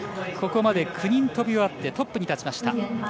ここまで９人飛び終わってトップに立ちました。